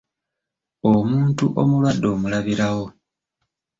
Omuntu omulwadde omulabirawo.